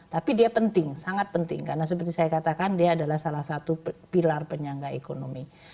tapi dia penting sangat penting karena seperti saya katakan dia adalah salah satu pilar penyangga ekonomi